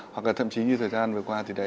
hoặc là thậm chí như thời gian vừa qua thì đấy